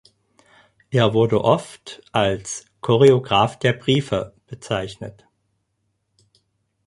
Er wurde oft als „Choreograph der Briefe“ bezeichnet.